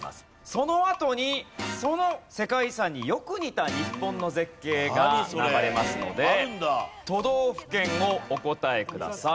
そのあとにその世界遺産によく似た日本の絶景が流れますので都道府県をお答えください。